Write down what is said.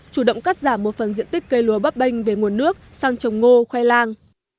chủ động cắt giảm một phần diện tích cây lùa bắp bênh về nguồn nước sang trồng ngô khoe làng